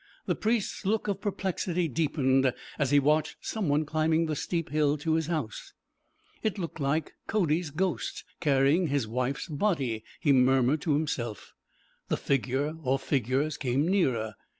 The priest's look of perplexity deepened as he watched some one climbing the steep hill to his house. 'It looks like Cody's ghost carrying his wife's body,' he muttered to himself. The figure or figures came nearer.